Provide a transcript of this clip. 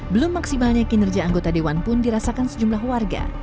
belum maksimalnya kinerja anggota dewan pun dirasakan sejumlah warga